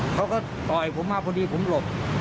เขาก็ต่อยผมมาพอดีผมหลบ